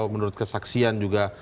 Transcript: menurut kesaksian juga